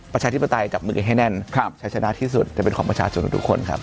ประชาธิปไตยกับมือกันให้แน่นครับใช้ชนะที่สุดจะเป็นของประชาธิปไตยทุกคนครับ